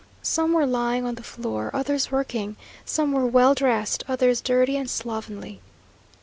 Some were lying on the floor, others working some were well dressed, others dirty and slovenly.